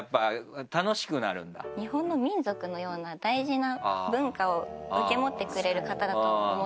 日本の民族のような大事な文化を受け持ってくれる方だと思ってて。